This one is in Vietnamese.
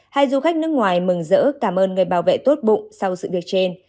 hai du khách nước ngoài mừng rỡ cảm ơn người bảo vệ tốt bụng sau sự việc trên